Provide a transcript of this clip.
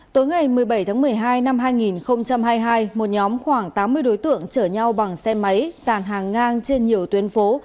tối ngày một mươi bảy tháng một mươi hai năm hai nghìn hai mươi hai một nhóm khoảng tám mươi đối tượng chở nhau bằng xe máy sàn hàng ngang trên nhiều tuyến phố